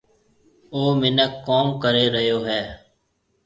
او مِنک ڪوم ڪري ريو هيَ۔